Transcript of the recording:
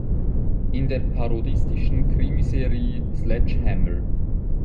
In der parodistischen Krimi-Serie "Sledge Hammer!